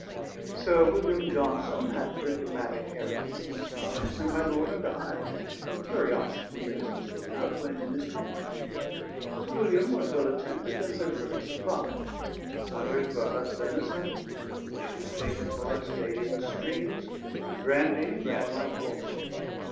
Sir William Johnson had a diplomatic errand in these parts; and my lord and I (from curiosity, as was given out) went in his company. Sir William was well attended and liberally supplied. Hunters brought us venison, fish was taken for us daily in the streams, and brandy ran like water.